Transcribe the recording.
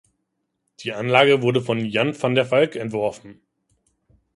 Die Anlage wurde von Jan van der Valk entworfen.